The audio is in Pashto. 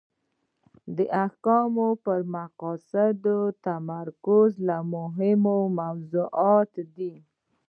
د احکامو پر مقاصدو تمرکز له مهمو موضوعاتو ده.